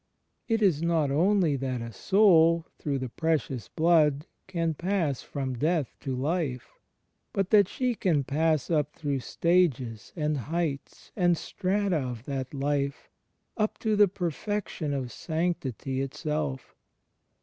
It is not only that a so\il, through the Predous Blood, can pass from death to life, but that she can pass up through stages and heights and strata of that life, up to the perfection of sanctity itself.